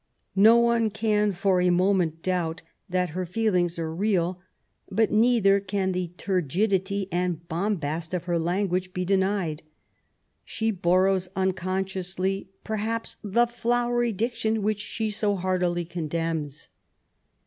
No one can for a moment doubt that her feelings are realj but neither can the turgidity and bombast of her language be denied. She borrows, unconsciously per , haps, the *' flowery diction '* which she so heartily con demns.